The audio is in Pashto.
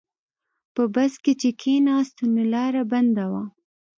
په بس کې چې کیناستو نو لاره بنده وه.